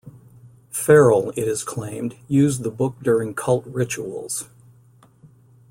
Ferrell, it is claimed, used the book during cult rituals.